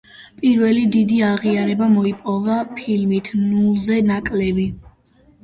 პირველი დიდი აღიარება მოიპოვა ფილმით „ნულზე ნაკლები“.